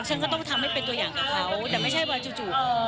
ฉันก็ต้องทำให้เป็นตัวอย่างกับเขาแต่ไม่ใช่ว่าจู่